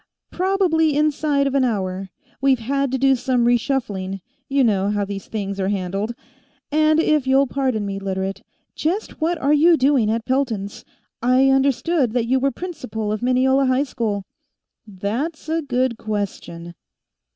"Probably inside of an hour. We've had to do some re shuffling; you know how these things are handled. And if you'll pardon me, Literate; just what are you doing at Pelton's? I understood that you were principal of Mineola High School." "That's a good question."